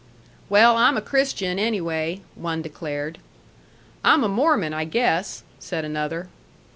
"Well, I'm a Christian, anyway," one declared. "I'm a Mormon, I guess," said another.